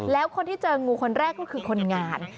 แล้วคนที่เจองูคนแรกก็คือคนงาน